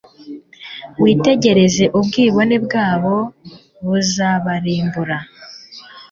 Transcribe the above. Witegereze ubwibone bwabo buzabarimbura